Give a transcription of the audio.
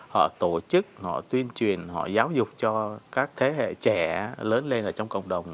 họ tổ chức họ tuyên truyền họ giáo dục cho các thế hệ trẻ lớn lên ở trong cộng đồng